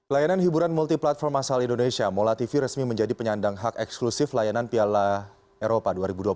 layanan hiburan multiplatform asal indonesia molatv resmi menjadi penyandang hak eksklusif layanan piala eropa dua ribu dua puluh